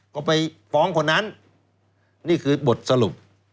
ก็ไปฟ้องคนนั้นนี่คือบทสรุป